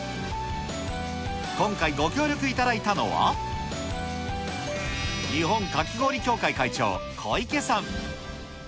今回ご協力いただいたのは、日本かき氷協会会長、小池さん。